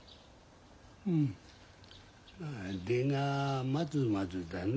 うん出がまずまずだな。